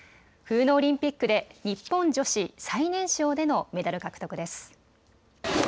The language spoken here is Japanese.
冬のオリンピックで日本女子最年少でのメダル獲得です。